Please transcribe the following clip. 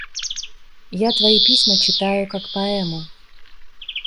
Я твои письма читаю, как поэму.